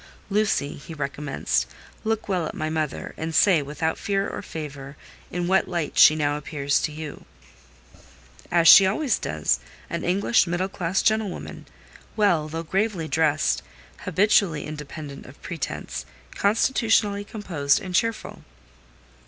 "Lucy," he recommenced, "look well at my mother, and say, without fear or favour, in what light she now appears to you." "As she always does—an English, middle class gentlewoman; well, though gravely dressed, habitually independent of pretence, constitutionally composed and cheerful."